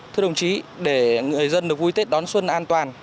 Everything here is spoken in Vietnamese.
thưa đồng chí để người dân được vui tết đón xuân an toàn